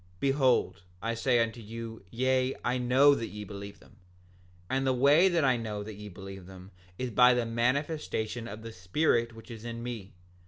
Behold, I say unto you, yea, I know that ye believe them; and the way that I know that ye believe them is by the manifestation of the Spirit which is in me.